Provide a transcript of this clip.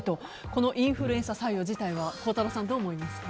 このインフルエンサー採用自体は孝太郎さん、どう思いますか？